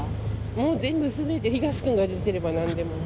もう全部、すべて、ヒガシ君が出てればなんでも。